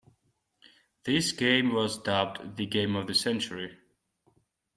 This game was dubbed the "Game of the Century".